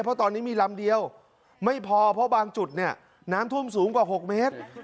เพราะตอนนี้มีลำเดียวไม่พอเพราะบางจุดเนี่ยน้ำท่วมสูงกว่า๖เมตร